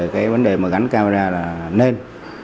cái vấn đề mà gắn camera là nên